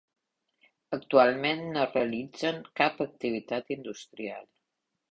Actualment no realitzen cap activitat industrial.